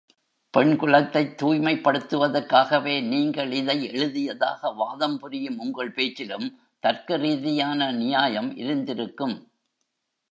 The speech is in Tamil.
பெண் குலத்தைத் தூய்மைப்படுத்துவதற்காகவே நீங்கள் இதை எழுதியதாக வாதம் புரியும் உங்கள் பேச்சிலும் தர்க்க ரீதியான நியாயம் இருந்திருக்கும்!